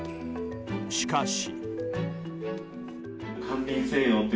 しかし。